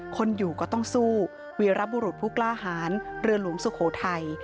คนอยู่ก็ต้องสู้วีรบุรุษผู้กล้าหารเรือหลวงสุโขทัย